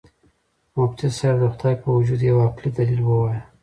مفتي صاحب د خدای په وجود یو عقلي دلیل ووایه.